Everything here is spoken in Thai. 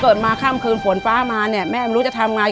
เกิดมาข้ามคืนฝนฟ้ามาเนี่ยแม่มันรู้จะทำยังไง